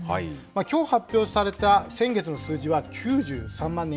きょう発表された先月の数字は、９３万人。